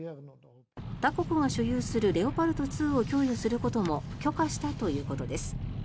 他国が所有するレオパルド２を供与することも許可したということです。